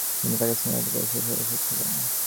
তিনি পাকিস্তান জাতীয় পরিষদের সদস্য ছিলেন।